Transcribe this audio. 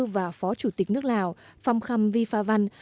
và phó chủ tịch nước lào pham khâm vi pha van